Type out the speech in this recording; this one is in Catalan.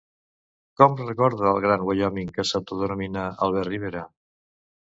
Com recorda el Gran Wyoming que s'autodenomina Albert Rivera?